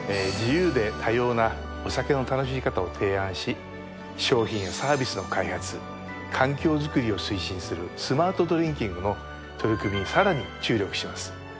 自由で多様なお酒の楽しみ方を提案し商品やサービスの開発環境づくりを推進するスマートドリンキングの取り組みにさらに注力します。